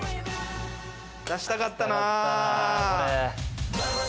出したかったなぁ。